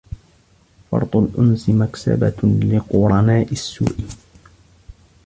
فرط الأنس مكسبة لقرناء السوء